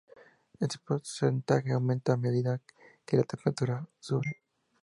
Este porcentaje aumenta a medida que la temperatura sube.